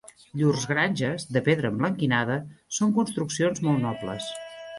Llurs granges, de pedra emblanquinada, són construccions molt nobles